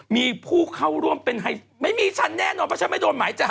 มีผู้เข้าร่วมเป็นไม่มีฉันแน่นอนเพราะฉันไม่โดนหมายจับ